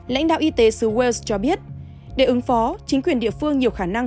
lãnh đạo y tế su wells cho biết để ứng phó chính quyền địa phương nhiều khả năng